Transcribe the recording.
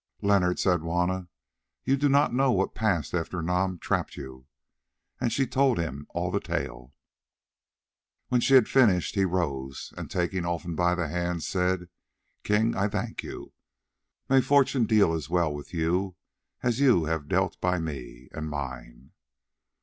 "Leonard," said Juanna, "you do not know what passed after Nam trapped you," and she told him all the tale. When she had finished he rose and, taking Olfan by the hand, said: "King, I thank you. May fortune deal as well with you as you have dealt by me and mine!"